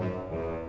tidak ada apa apa